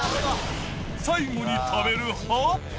最後に食べる派？